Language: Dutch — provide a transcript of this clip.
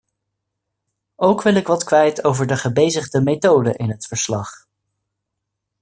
Ook wil ik wat kwijt over de gebezigde methode in het verslag.